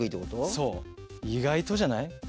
そう意外とじゃない？